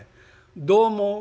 どう思う？」。